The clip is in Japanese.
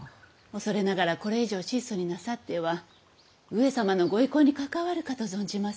恐れながらこれ以上質素になさっては上様のご威光に関わるかと存じます。